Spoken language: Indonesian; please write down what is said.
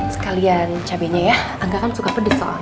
sekalian cabenya ya agak kan suka pedes soalnya